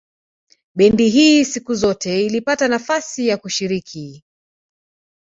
Bendi hii siku zote ilipata nafasi ya kushiriki